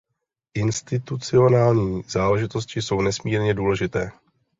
Institucionální záležitosti jsou nesmírně důležité.